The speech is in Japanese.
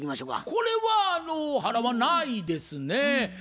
これは払わないですね。